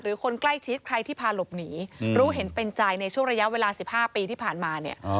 คนใกล้ชิดใครที่พาหลบหนีรู้เห็นเป็นใจในช่วงระยะเวลา๑๕ปีที่ผ่านมาเนี่ย